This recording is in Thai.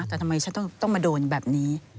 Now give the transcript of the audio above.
แต่ทำไมฉันต้องมาโดนแบบนี้